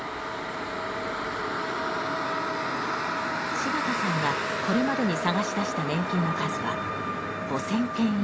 柴田さんがこれまでに探し出した年金の数は５，０００件以上。